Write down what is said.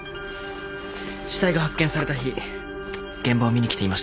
死体が発見された日現場を見に来ていましたよね。